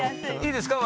いいですか？